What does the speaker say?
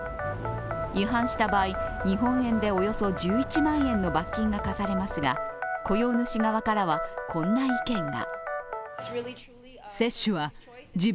違反した場合、日本円でおよそ１１万円の罰金が科されますが雇用主側からはこんな意見が。